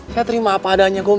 saya terima apa adanya gue